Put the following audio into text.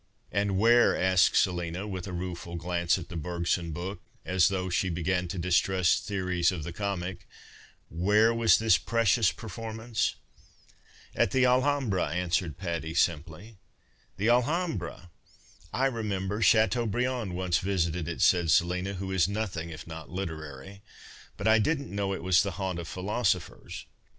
"" And where," asked Seliiui, with a rueful glance 2ia PASTICHE AND PREJUDICE at the Berpson book, as thoufrh she began to distrust theories of the comic, " where was this jirecious per formance ?"" At the Alhambra," answered Patty, simply. " The Alliambra ! I remember Chateaubriand once visited it," said Selina, who is nothing if not literary, " but I didn't know it was the haunt of philosophers."